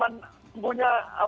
karena kecil kecilan musim